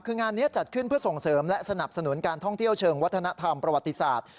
คืองานนี้จัดขึ้นเพื่อส่งเสริมและสนับสนุนการท่องเที่ยวเชิงวัฒนธรรมประวัติศาสตร์